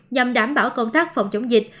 nhằm đảm bảo công tác phòng chống dịch